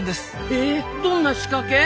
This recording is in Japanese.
えどんな仕掛け？